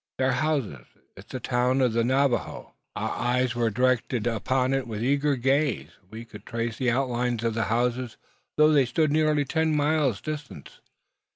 They are houses. It is the town of Navajoa! Our eyes were directed upon it with eager gaze. We could trace the outlines of the houses, though they stood nearly ten miles distant.